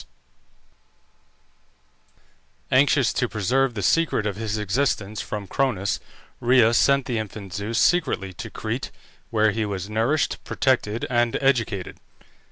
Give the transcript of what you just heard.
Anxious to preserve the secret of his existence from Cronus, Rhea sent the infant Zeus secretly to Crete, where he was nourished, protected, and educated.